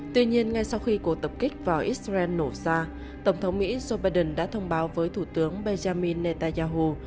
tuy nhiên ngay sau khi cuộc tập kích vào israel nổ ra tổng thống mỹ joe biden đã thông báo với thủ tướng benjamin netanyahu